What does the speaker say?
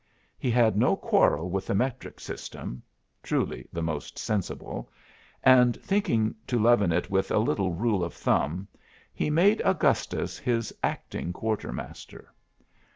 He had no quarrel with the metric system (truly the most sensible), and thinking to leaven it with a little rule of thumb, he made Augustus his acting quartermaster.